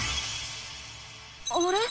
あれ？